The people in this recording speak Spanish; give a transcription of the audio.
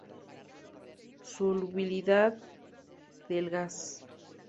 Solubilidad del gas.